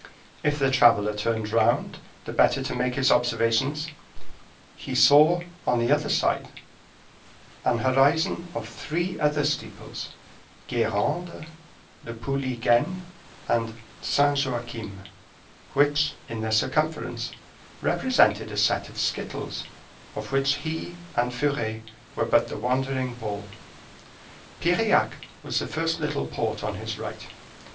If the traveler turned round, the better to make his observations, he saw on the other side an horizon of three other steeples, Guerande, Le Pouliguen, and Saint Joachim, which, in their circumference, represented a set of skittles, of which he and Furet were but the wandering ball. Piriac was the first little port on his right.